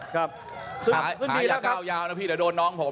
ขาอย่าก้าวยาวนะพี่เดี๋ยวโดนน้องผม